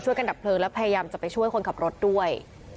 กันดับเพลิงและพยายามจะไปช่วยคนขับรถด้วย